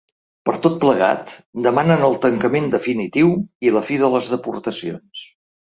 Per tot plegat, demanen el tancament definitiu i la fi de les deportacions.